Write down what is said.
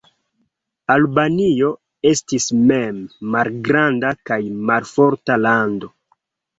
Albanio estis mem malgranda kaj malforta lando.